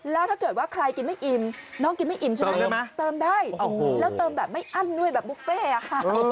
แล้วเติมแบบไม่อ้ั่นด้วยแบบบุฟเฟ่น